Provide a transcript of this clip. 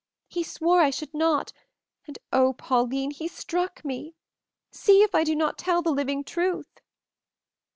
He swore I should not, and oh, Pauline, he struck me! See, if I do not tell the living truth!"